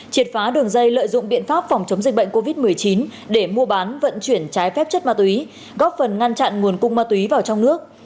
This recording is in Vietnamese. triệt phá đường dây lợi dụng biện pháp phòng chống dịch bệnh covid một mươi chín để mua bán vận chuyển trái phép chất ma túy góp phần ngăn chặn nguồn cung ma túy vào trong nước